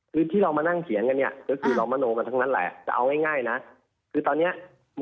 คือที่เรามานั่งเขียนกันเนี่ย